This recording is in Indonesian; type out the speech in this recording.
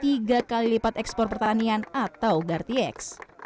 tiga kali lipat ekspor pertanian atau gartieks